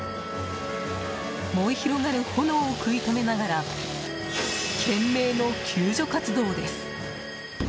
燃え広がる炎を食い止めながら懸命の救助活動です。